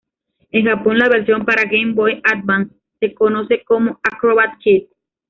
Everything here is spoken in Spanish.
En Japón, la versión para Game Boy Advance se conoce como Acrobat Kid.